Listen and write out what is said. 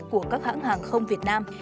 của các hãng hàng không việt nam